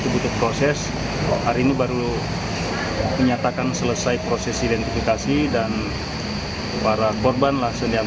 diduga disebabkan pengemudi yang kelelahan hingga mengakibatkan mikroslip